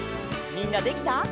みんなできた？